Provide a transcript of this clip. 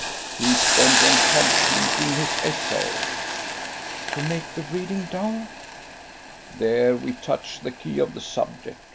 "He's bent on completing his essay." "To make the reading dull." "There we touch the key of the subject.